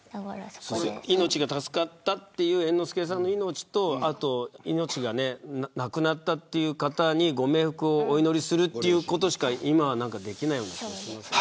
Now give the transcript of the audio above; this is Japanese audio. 命が助かったという猿之助さんの命と亡くなったという方にご冥福をお祈りすることしか今はできないような気がします。